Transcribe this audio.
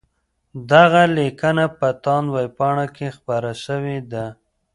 دغه لیکنه په تاند ویبپاڼه کي خپره سوې ده.